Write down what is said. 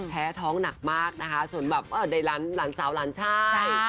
ท้องหนักมากนะคะส่วนแบบในหลานสาวหลานชาย